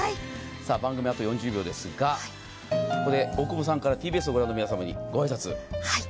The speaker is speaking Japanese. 番組はあと４０秒ですが、ここで大久保さんからＴＢＳを御覧の皆様に御挨拶。